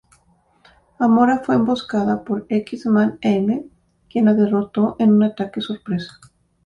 Amora fue emboscada por el X-Man M, quien la derrotó en un ataque sorpresa.